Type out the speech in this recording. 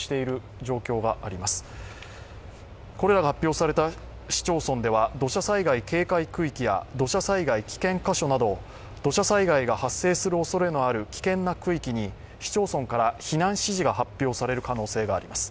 これらが発表された市町村では土砂災害警戒区域や土砂災害危険箇所など危険な区域に市町村から避難指示が発表される可能性があります。